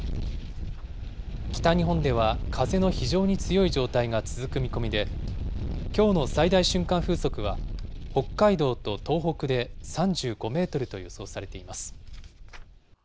北日本では風の非常に強い状態が続く見込みで、きょうの最大瞬間風速は、北海道と東北で３５メートルと予想されています。